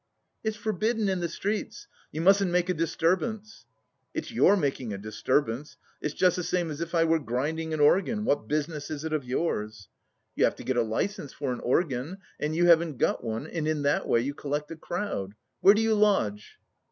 "It's forbidden in the streets. You mustn't make a disturbance." "It's you're making a disturbance. It's just the same as if I were grinding an organ. What business is it of yours?" "You have to get a licence for an organ, and you haven't got one, and in that way you collect a crowd. Where do you lodge?"